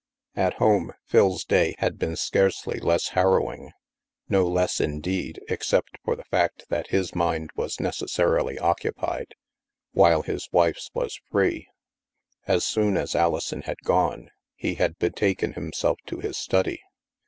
At home, Phil's day had been scarcely less har rowing. No less, indeed, except for the fact that his mind was necessarily occupied, while his wife's was free. As soon as Alison had gone, he had betaken him self to his study.